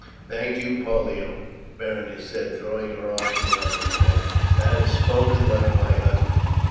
"Thank you, Pollio," Berenice said, throwing her arms round his neck, "that is spoken like my husband.